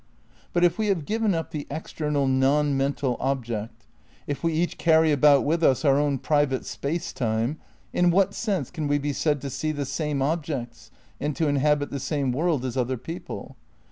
But if we have given up the external non mental object, if we each carry about with us our own private Space Time, in what sense can we be said to see the same objects and to inhabit the same world as other people?